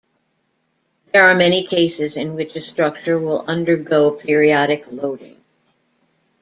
There are many cases in which a structure will undergo periodic loading.